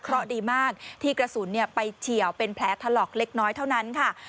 เพราะดีมากที่กระสุนไปเฉียวเป็นแผลถลอกเล็กน้อยเท่านั้นค่ะ